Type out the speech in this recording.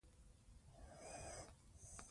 ګړه په یوه یا څو ساه وو وېل کېږي.